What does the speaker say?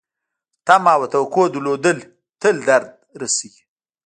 تمه او توقع درلودل تل درد رسوي .